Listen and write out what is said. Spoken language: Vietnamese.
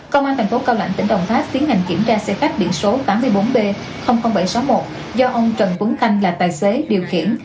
công an thành phố cao lãnh tỉnh đồng tháp tiến hành kiểm tra xe khách biển số tám mươi bốn b bảy trăm sáu mươi một do ông trần tuấn khanh là tài xế điều khiển